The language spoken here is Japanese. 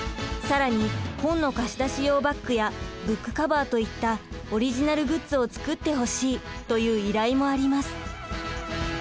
更に本の貸し出し用バッグやブックカバーといったオリジナルグッズを作ってほしいという依頼もあります。